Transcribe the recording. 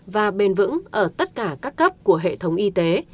và bền vững ở tất cả các cấp của hệ thống y tế